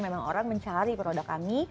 memang orang mencari produk kami